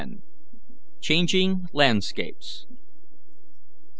CHANGING LANDSCAPES.